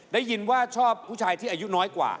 ได้ยินว่าชอบผู้ชายที่อายุน้อยกว่า